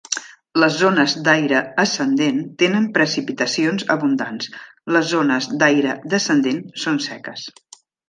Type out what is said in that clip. Les zones d'aire ascendent tenen precipitacions abundants, les zones d'aire descendent són seques.